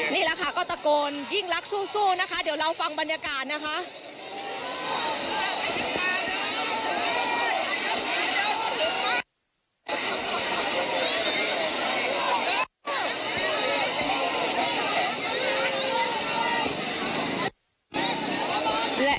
นี่แหละค่ะก็ตะโกนยิ่งรักสู้นะคะเดี๋ยวเราฟังบรรยากาศนะคะ